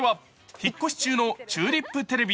引っ越し中のチューリップテレビ